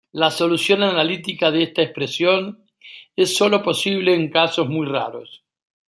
La solución analítica de esta expresión es sólo posible en casos muy raros.